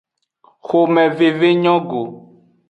Xomeveve nyo go.